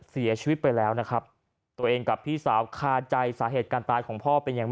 เสียชีวิตไปแล้วนะครับตัวเองกับพี่สาวคาใจสาเหตุการตายของพ่อเป็นอย่าง